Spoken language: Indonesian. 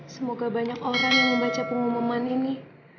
semoga banyak orang yang membaca pengumuman ini